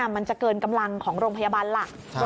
มันจะเกินกำลังของโรงพยาบาลหลัก